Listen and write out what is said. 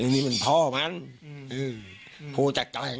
นี่เป็นพ่อมันผู้จัดจัง